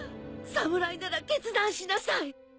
侍なら決断しなさい！